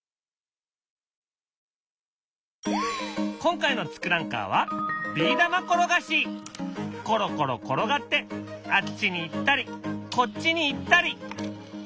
今回の「ツクランカー」はコロコロ転がってあっちに行ったりこっちに行ったり。